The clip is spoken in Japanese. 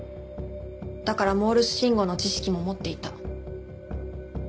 だからモールス信号の知識も持っていた。